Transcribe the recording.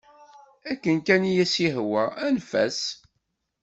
Akken kan i as-yehwa, anef-as.